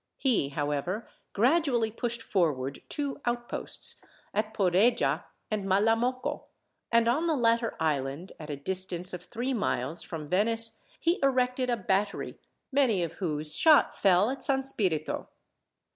He, however, gradually pushed forward two outposts, at Poreja and Malamocco, and on the latter island, at a distance of three miles from Venice, he erected a battery, many of whose shot fell at San Spirito.